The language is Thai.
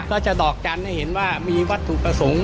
ก็จะดอกกันให้เห็นว่ามีวัดถูกประสงค์